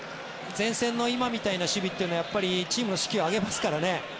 前線の今みたいな守備というのはチームの士気を上げますからね。